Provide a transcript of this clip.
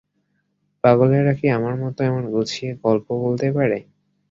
পাগলেরা কি আমার মতো এমন গুছিয়ে গলপ বলতে পারে?